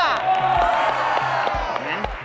แห้ง